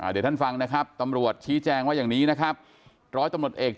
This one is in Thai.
เดี๋ยวท่านฟังนะครับตำรวจชี้แจงว่าอย่างนี้นะครับร้อยตำรวจเอก